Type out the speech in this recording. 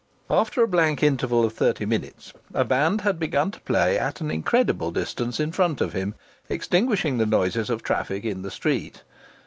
After a blank interval of thirty minutes a band had begun to play at an incredible distance in front of him, extinguishing the noises of traffic in the street.